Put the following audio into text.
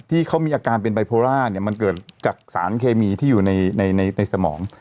ที่เขามีอาการเป็นไบโพล่าเนี่ยมันเกิดจากสารเคมีที่อยู่ในสมอง